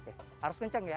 harus kencang ya